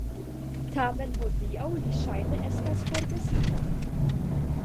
Tamen hodiaŭ li ŝajne estas forgesita.